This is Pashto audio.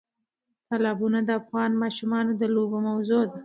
تالابونه د افغان ماشومانو د لوبو موضوع ده.